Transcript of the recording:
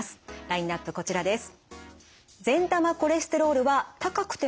ラインナップこちらです。